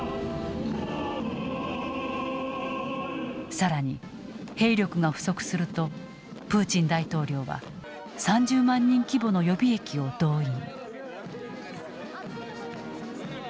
更に兵力が不足するとプーチン大統領は３０万人規模の予備役を動員。